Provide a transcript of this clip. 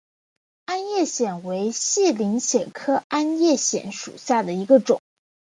鞍叶藓为细鳞藓科鞍叶藓属下的一个种。